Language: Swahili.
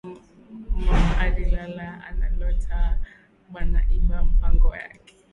Mama ari lala ana lota bana iba mpango yake